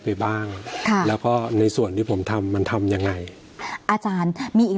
ไปบ้างค่ะแล้วก็ในส่วนที่ผมทำมันทำยังไงอาจารย์มีอีก